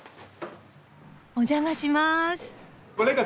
お邪魔します。